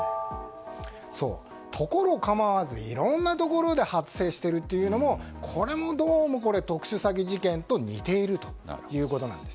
ところ構わずいろんなところで発生しているというのもこれもどうも特殊詐欺事件と似ているということなんです。